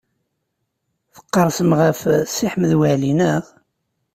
Tqerrsem ɣef Si Ḥmed Waɛli, naɣ?